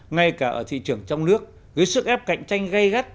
ngay cả ở thị trường trong nước với sức ép cạnh tranh gây gắt